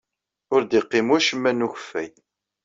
Ur d-yeqqim wacemma n ukeffay.